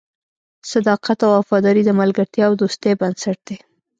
صداقت او وفاداري د ملګرتیا او دوستۍ بنسټ دی.